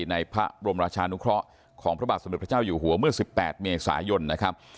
ในพระบรมราชานุเคราะห์ของพระบาทสมเด็จพระเจ้าอยู่หัวเมื่อ๑๘เมษายนนะครับ